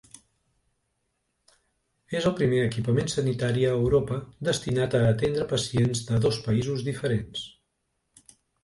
És el primer equipament sanitari a Europa destinat a atendre pacients de dos països diferents.